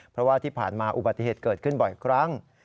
เพราะว่าที่ผ่านมาอุบัติเหตุเกิดขึ้นบ่อยครั้ง